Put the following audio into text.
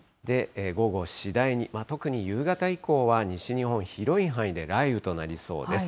午後、次第に、特に夕方以降は、西日本、広い範囲で雷雨となりそうです。